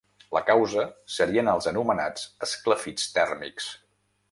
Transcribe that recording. La causa serien els anomenats “esclafits tèrmics”.